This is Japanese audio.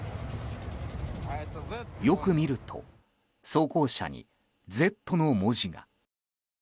よく見ると装甲車に「Ｚ」の文字が。